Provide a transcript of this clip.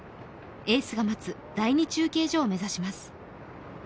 エースが待つ、第２中継所を目指します。